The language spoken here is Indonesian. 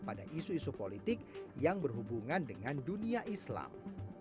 pada isu isu politik yang berhubungan dengan dunia islam